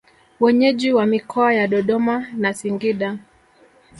Wenyeji wa mikoa ya Dodoma na Singida